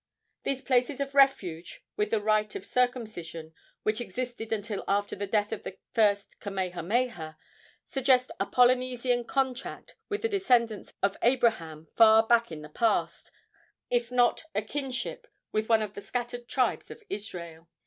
These places of refuge, with the right of circumcision, which existed until after the death of the first Kamehameha, suggest a Polynesian contact with the descendants of Abraham far back in the past, if not a kinship with one of the scattered tribes of Israel.